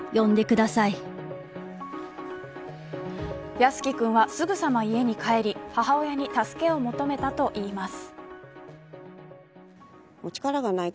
靖宜君はすぐさま家に帰り母親に助けを求めたといいます。